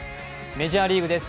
メジャーリーグです。